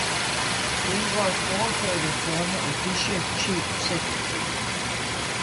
He was also the former Odisha chief secretary.